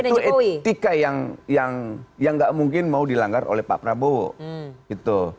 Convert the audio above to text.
dan itu etika yang gak mungkin mau dilanggar oleh pak prabowo gitu